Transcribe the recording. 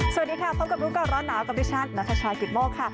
สวัสดีค่ะพบกับร้อนหนาวกับพิชาตินัทชากิตโมกค่ะ